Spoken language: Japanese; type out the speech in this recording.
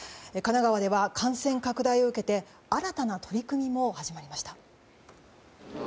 神奈川では感染拡大を受けて新たな取り組みも始まりました。